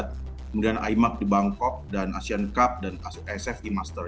kemudian imac di bangkok dan asian cup dan isf di master